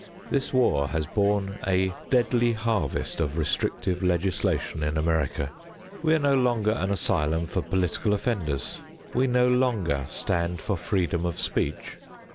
This war has borne a deadly harvest of restrictive legislation in America. We are no longer an asylum for political offenders. We no longer stand for freedom of speech.